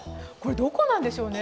どこなんでしょうね。